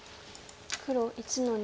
黒１の二。